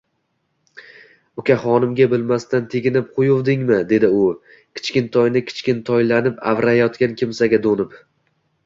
– Ukaxonimga bilmasdan teginib qo‘yuvdingmi? – dedi u, kichkintoyni kichkintoylanib avrayotgan kimsaga do‘nib